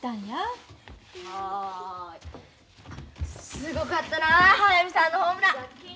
すごかったなあ速水さんのホームラン。